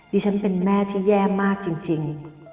ดิฉันเป็นแม่ที่แย่มากจริงจริง